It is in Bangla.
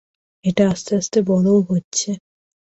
এটা আস্তে আস্তে বড়ও হচ্ছে।